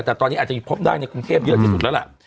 แต่ตอนนี้อาจจะพบได้ในกรุงเทพเยอะที่สุดแล้วล่ะ